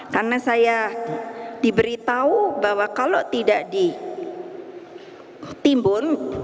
karena saya diberitahu bahwa kalau tidak ditimbun